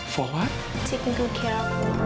โปรดติดตามตอนต่อไป